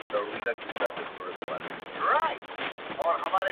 ځه پرېږده وخته نور به مي راويښ کړم .